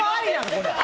これ。